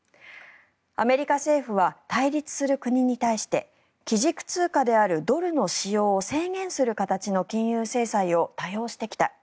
アメリカ政府は対立する国に対して基軸通貨であるドルの使用を制限する形の金融制裁を多用してきた。